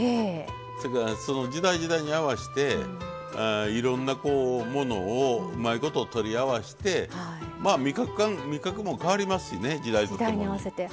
せやからその時代時代に合わしていろんなものをうまいこと取り合わしてまあ味覚も変わりますしね時代とともに。